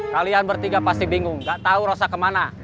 kalian bertiga pasti bingung gak tahu rosa kemana